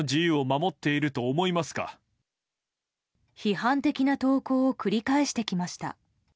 批判的な投稿を繰り返してきました。